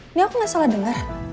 ini aku nggak salah dengar